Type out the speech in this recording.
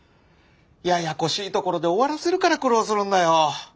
ややこしいところで終わらせるから苦労するんだよ。